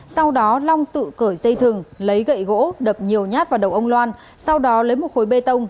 sau đó long tự cởi dây thừng lấy gậy gỗ đập nhiều nhát vào đầu ông loan sau đó lấy một khối bê tông